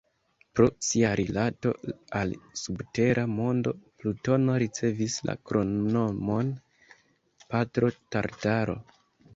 Pro sia rilato al subtera mondo, Plutono ricevis la kromnomon "Patro Tartaro".